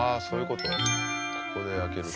ここで開けると。